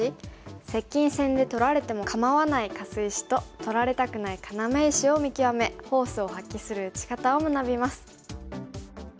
接近戦で取られても構わないカス石と取られたくない要石を見極めフォースを発揮する打ち方を学びます。